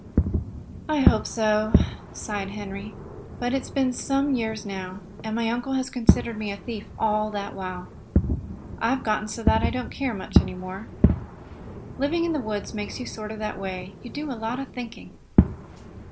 "I hope so," sighed Henry. "But it's been some years now, and my uncle has considered me a thief all that while. I've gotten so I don't much care any more. Living in the woods makes you sort of that way. You do a lot of thinking.